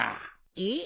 えっ？